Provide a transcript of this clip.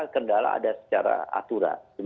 kendala ada secara atura